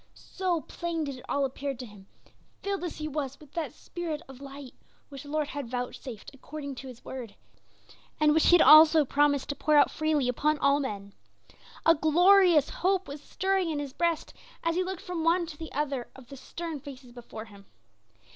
So plain did it all appear to him, filled as he was with that spirit of light which the Lord had vouchsafed according to his word, and which he had also promised to pour out freely upon all men. A glorious hope was stirring in his breast as he looked from one to the other of the stern faces before him.